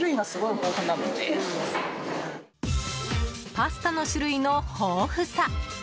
パスタの種類の豊富さ。